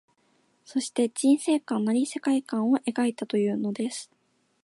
そして、人世観なり世界観を描いたというのです